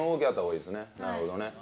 なるほどね。